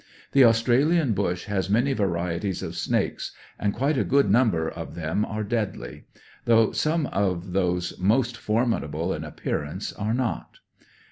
The Australian bush has many varieties of snakes, and quite a good number of them are deadly; though some of those most formidable in appearance are not.